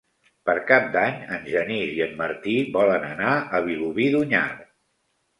Per Cap d'Any en Genís i en Martí volen anar a Vilobí d'Onyar.